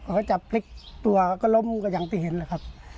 เขาจะพลิกตัวก็ล้มก็อย่างที่เห็นแหละครับ